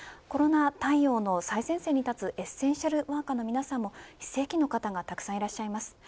コロナ対応の最前線に立つエッセンシャルワーカーの皆さんも非正規の方がたくさんいます。